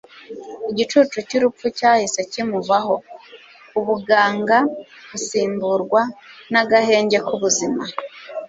Igicucu cy’urupfu cyahise kimuvaho. Ubuganga busimburwa n’agahenge k’ubuzima.